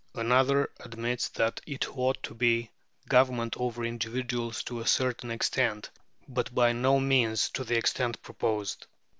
Another admits that it ought to be a government over individuals to a certain extent, but by no means to the extent proposed.